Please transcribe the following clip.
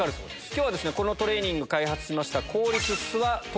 今日はこのトレーニングを開発しました。